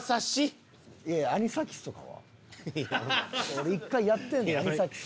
俺１回やってんねんアニサキス。